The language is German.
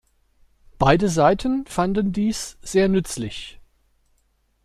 Beide Seiten fanden dies sehr nützlich.